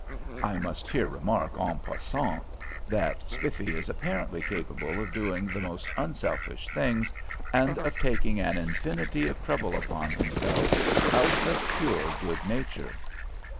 '" I must here remark en passant that Spiffy is apparently capable of doing the most unselfish things, and of taking an infinity of trouble upon himself out of pure good nature.